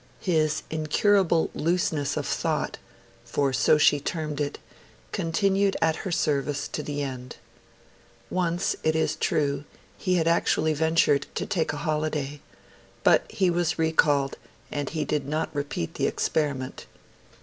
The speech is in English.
His 'incurable looseness of thought', for so she termed it, continued at her service to the end. Once, it is true, he had actually ventured to take a holiday; but he was recalled, and he did not repeat the experiment.